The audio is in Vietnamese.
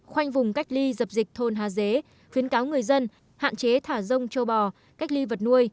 khoanh vùng cách ly dập dịch thôn hà dế khuyến cáo người dân hạn chế thả rông châu bò cách ly vật nuôi